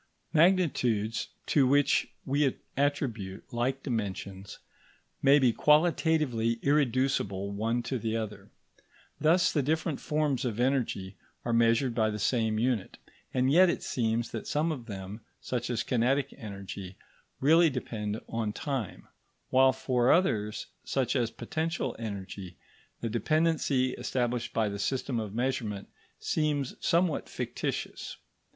Magnitudes to which we attribute like dimensions may be qualitatively irreducible one to the other. Thus the different forms of energy are measured by the same unit, and yet it seems that some of them, such as kinetic energy, really depend on time; while for others, such as potential energy, the dependency established by the system of measurement seems somewhat fictitious.